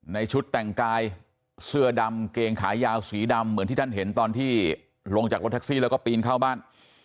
ในชุดแต่งกายเสื้อดำเกงขายาวสีดำเหมือนที่ท่านเห็นตอนที่ลงจากรถแท็กซี่แล้วก็ปีนเข้าบ้าน